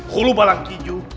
hulu balang kiju